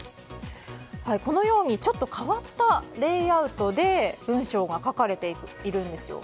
このようにちょっと変わったレイアウトで文章が書かれているんです。